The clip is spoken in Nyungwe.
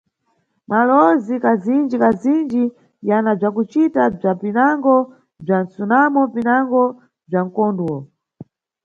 Malowozi kazinji-kazinji yana bzakucita bza, pinango bza msunamo pinango bza mkondwo.